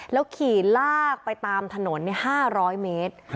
ขี่ลากไปตามถนน๕๐๐เมตร